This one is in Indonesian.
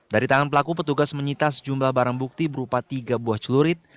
dari tangan pelaku petugas menyita sejumlah barang bukti berupa tiga buah celurit